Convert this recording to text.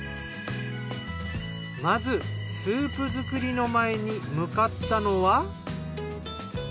まずスープ作りの前に向かったのは。